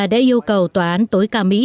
đã yêu cầu tòa án tối cao mỹ